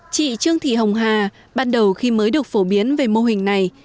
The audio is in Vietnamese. chị trương thị hồng hà ban đầu khi mới được phổ biến về mô hình này